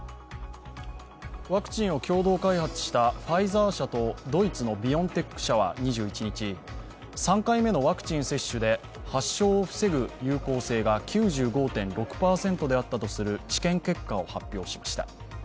ワクチンを共同開発したファイザー社とドイツのビオンテック社は２１日、３回目のワクチン接種で発症を防ぐ有効性が９５．６％であったとする治験結果を発表しました。